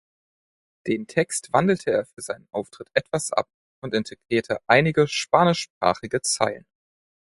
Den Text wandelte er für seinen Auftritt etwas ab und integrierte einige spanischsprachige Zeilen.